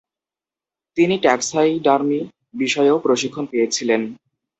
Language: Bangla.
তিনি ট্যাক্সাইডারমি বিষয়েও প্রশিক্ষণ পেয়েছিলেন।